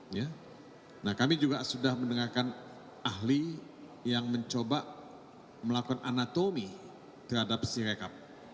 nah kami juga sudah mendengarkan ahli yang mencoba melakukan anatomi terhadap si rekap